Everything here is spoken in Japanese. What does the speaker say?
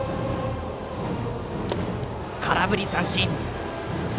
空振り三振。